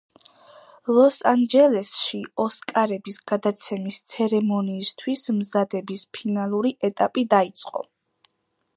ლოს-ანჯელესში „ოსკარების“ გადაცემის ცერემონიისთვის მზადების ფინალური ეტაპი დაიწყო.